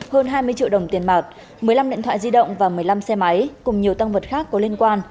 hơn hai mươi triệu đồng tiền mặt một mươi năm điện thoại di động và một mươi năm xe máy cùng nhiều tăng vật khác có liên quan